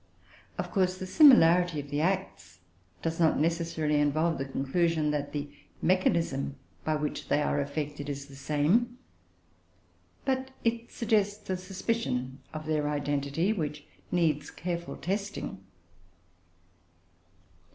Of course the similarity of the acts does not necessarily involve the conclusion that the mechanism by which they are effected is the same; but it suggests a suspicion of their identity which needs careful testing.